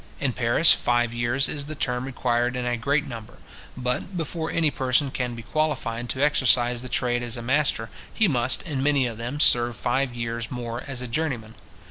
In Paris, five years is the term required in a great number; but, before any person can be qualified to exercise the trade as a master, he must, in many of them, serve five years more as a journeyman.